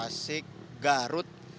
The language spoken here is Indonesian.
ciamis tasik garut